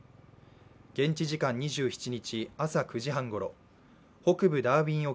現地時間２７日朝９時半ごろ、北部ダーウィン沖